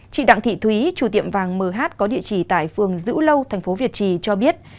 chị đặng thị thúy chủ tiệm vàng mh có địa chỉ tại phường dữ lâu thành phố việt trì cho biết